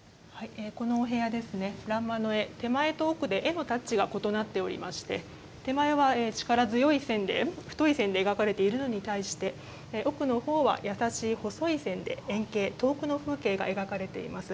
このお部屋ですね欄間の絵、手前と奥で絵のタッチが異なっておりまして手前は、力強い線で太い線で描かれているのに対して奥のほうは、優しい細い線で遠景、遠くの風景が描かれています。